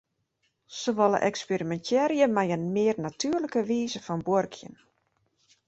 Se wolle eksperimintearje mei in mear natuerlike wize fan buorkjen.